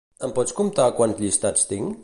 Em pots comptar quants llistats tinc?